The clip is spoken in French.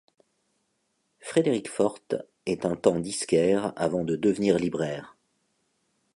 Frédéric Forte est un temps disquaire avant de devenir libraire.